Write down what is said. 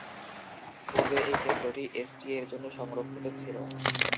পূর্বে এই কেন্দ্রটি এসটি এর জন্য সংরক্ষিত ছিল।